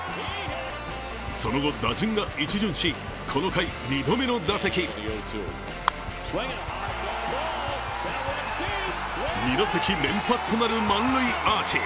その後、打順が一巡しこの回、２度目の打席２打席連発となる満塁アーチ。